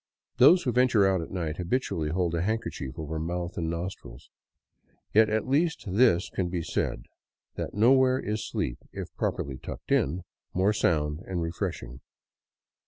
Those who venture out at night habitually hold a handkerchief over mouth and nostrils. Yet at least this can be said, that nowhere is sleep, if properly tucked in, more sound and refreshing.